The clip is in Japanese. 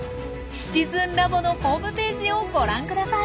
シチズンラボのホームページをご覧ください。